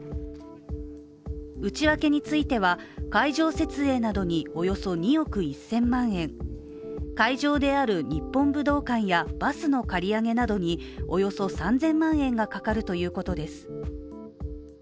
内訳については、会場設営などにおよそ２億１０００万円会場である日本武道館やバスの借り上げなどにおよそ３０００万円がかかるということです。